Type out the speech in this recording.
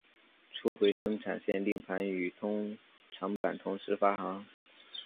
初回生产限定盘与通常版同时发行。